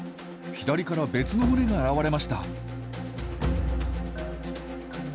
左から別の群れが現れました。